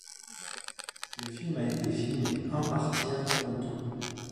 Le film a été filmé en partie à Toronto.